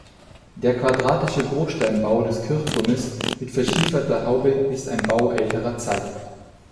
Der quadratische Bruchsteinbau des Kirchturmes mit verschieferter Haube ist ein Bau älterer Zeit.